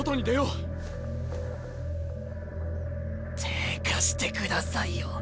手ぇ貸してくださいよ